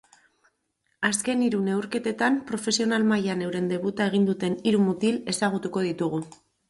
Azken hiru neurketetan profesional mailan euren debuta egin duten hiru mutil ezagutuko ditugu.